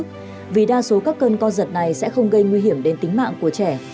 vì đa số các cơn co giật này sẽ không gây nguy hiểm đến tính mạng của trẻ